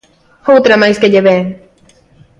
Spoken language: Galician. ¡Outra máis que lle vén!